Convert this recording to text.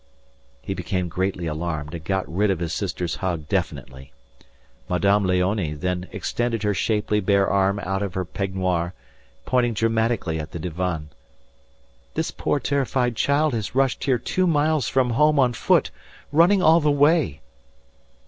He became greatly alarmed and got rid of his sister's hug definitely. Madame Léonie then extended her shapely bare arm out of her peignoir, pointing dramatically at the divan: "This poor terrified child has rushed here two miles from home on foot running all the way."